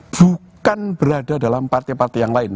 bukan berada dalam partai partai yang lain